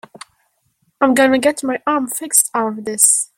I'm gonna get my arm fixed out of this.